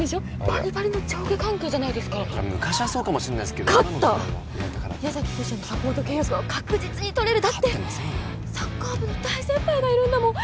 バリバリの上下関係じゃないですか昔はそうかもしんないですけど勝った矢崎十志也のサポート契約は確実に取れるだってサッカー部の大先輩がいるんだもん